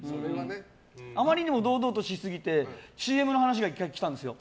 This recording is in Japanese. あまりにも堂々としすぎてＣＭの話が１回来たんですよ。